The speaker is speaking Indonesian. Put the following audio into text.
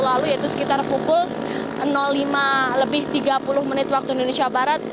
lalu yaitu sekitar pukul lima lebih tiga puluh menit waktu indonesia barat